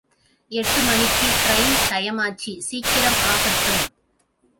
எட்டு மணிக்கு ட்ரையின் டயமாச்சு சீக்கிரம் ஆகட்டும்.